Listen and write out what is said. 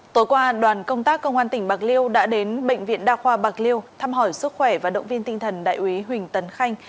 tối qua đoàn công tác công an tỉnh bạc liêu đã đến bệnh viện đa khoa bạc liêu thăm hỏi sức khỏe và động viên tinh thần đại úy huỳnh tấn khanh